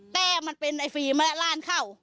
แต่มันเป็นไอฟีมและล่านเข้า